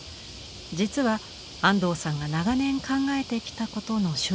実は安藤さんが長年考えてきたことの集大成でもあります。